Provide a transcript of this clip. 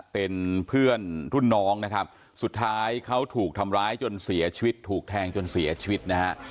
เป็นเพื่อนรุ่นน้องนะครับสุดท้ายเขาถูกทำร้ายจนเสียชีวิตถูกแทงจนเสียชีวิตนะฮะ